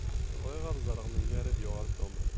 Bɣiɣ ad ẓṛeɣ melmi ara d-yuɣal Tom.